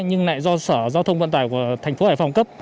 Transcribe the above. nhưng lại do sở giao thông vận tải của thành phố hải phòng cấp